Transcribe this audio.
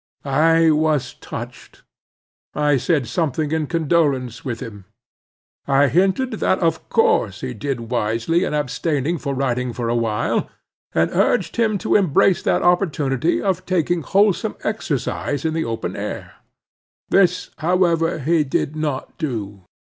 I was touched. I said something in condolence with him. I hinted that of course he did wisely in abstaining from writing for a while; and urged him to embrace that opportunity of taking wholesome exercise in the open air. This, however, he did not do.